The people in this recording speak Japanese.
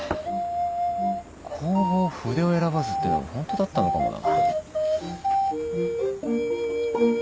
「弘法筆を選ばず」ってのもホントだったのかもな。